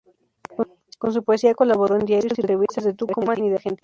Con su poesía colaboró en diarios y revistas de Tucumán y de Argentina.